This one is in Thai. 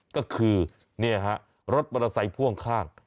ก็คือนี่ฮะรถบริเวณไข้พ่วงข้าง